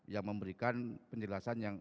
yang memberikan penjelasan yang